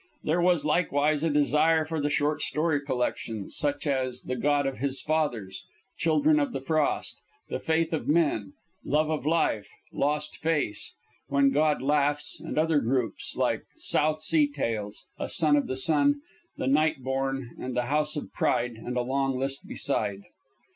There was likewise a desire for the short story collections, such as "The God of His Fathers," "Children of the Frost," "The Faith of Men," "Love of Life," "Lost Face," "When God Laughs," and later groups like "South Sea Tales," "A Son of the Sun," "The Night Born," and "The House of Pride," and a long list beside.